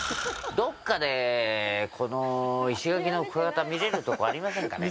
どこかでこの石垣のクワガタ見れるところ、ありませんかね。